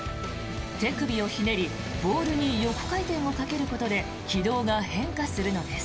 手首をひねりボールに横回転をかけることで軌道が変化するのです。